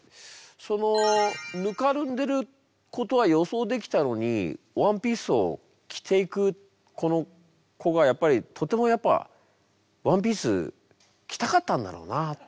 そのぬかるんでることは予想できたのにワンピースを着ていくこの子がやっぱりとてもやっぱワンピース着たかったんだろうなっていうね。